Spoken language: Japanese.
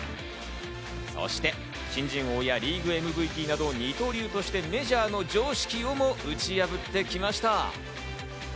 そして新人王やリーグＭＶＰなど二刀流としてメジャーの常識をも打ち破ってきました。